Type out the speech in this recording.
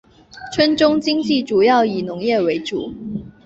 村中经济主要以农业为主。